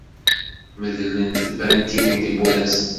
Medlent tbankiwin tiwwura-nsent.